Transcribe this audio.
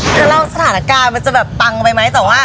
แล้วสถานการณ์มันจะแบบปังไปไหมแต่ว่า